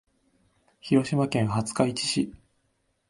広島県廿日市市